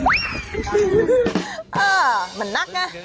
เออเหมือนนักน่ะ